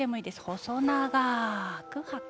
細長く吐く。